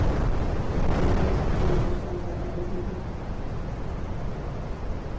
I en quines accions socials va participar?